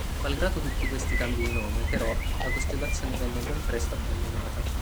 Malgrado tutti questi cambi di nome, però, la costellazione venne ben presto abbandonata.